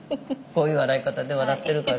こういう笑い方で笑ってるから。